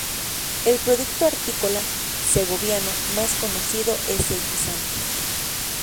El producto hortícola segoviano más conocido es el guisante.